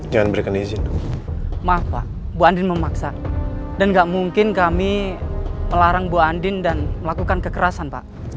jangan berikan izin maaf pak bu andin memaksa dan nggak mungkin kami melarang bu andin dan melakukan kekerasan pak